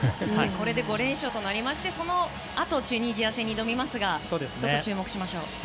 これで５連勝となりましてそのあとチュニジア戦に挑みますがどこに注目しましょう？